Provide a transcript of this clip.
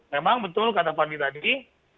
memang betul kata fani tadi